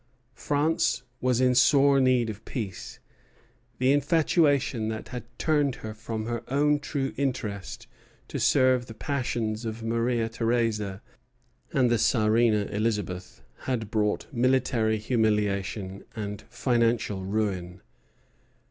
France was in sore need of peace. The infatuation that had turned her from her own true interest to serve the passions of Maria Theresa and the Czarina Elizabeth had brought military humiliation and financial ruin.